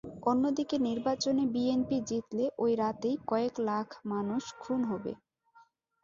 অন্যদিকে নির্বাচনে বিএনপি জিতলে ওই রাতেই কয়েক লাখ মানুষ খুন হবে।